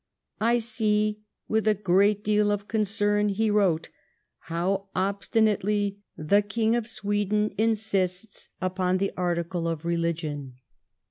' I see with a great deal of concern,' he wrote, 'how obstinately the King of Sweden insists upon the article of religion.